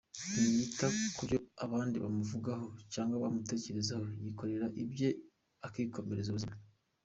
Ntiyita ku byo abandi bamuvugaho cyangwa bamutekerezaho, yikorera ibye akikomereza ubuzima.